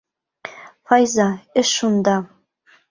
Файза, эш шунда...